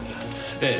ええ。